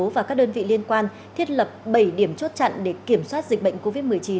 và các đơn vị liên quan thiết lập bảy điểm chốt chặn để kiểm soát dịch bệnh covid một mươi chín